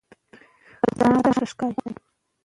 د اوریدلو هنر زده کړئ.